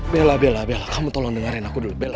bella bella bella kamu tolong dengerin aku dulu bella